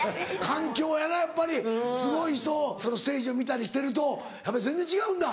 環境やなやっぱりすごい人そのステージを見たりしてるとやっぱり全然違うんだ。